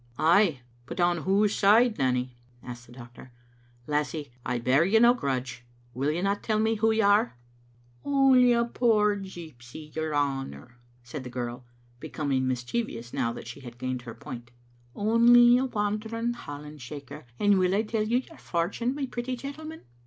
" Ay, but on whose side, Nanny?" asked the doctor. "Lassie, I bear you no grudge; will you not tell me who you are?" Digitized by VjOOQ IC XCbc Xgmttm'B Second <tomfii0» its "Only a puir gypsy, your honour/' said the girl, be coming mischievous now that she had gained her point ; "only a wandering hallen shaker, and will I tell you your fortune, my pretty gentleman?"